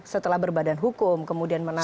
setelah berbadan hukum kemudian menangkap